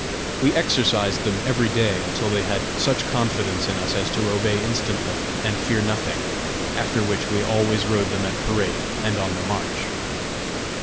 We exercised them every day until they had such confidence in us as to obey instantly and fear nothing; after which we always rode them at parade and on the march.